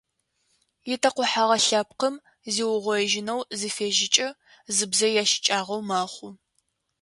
Итэкъухьэгъэ лъэпкъым зиугъоижьынэу зыфежьэкӏэ зы бзэ ящыкӏагъэу мэхъу.